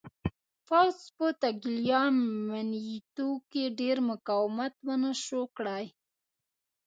پوځ په تګلیامنیتو کې ډېر مقاومت ونه شوای کړای.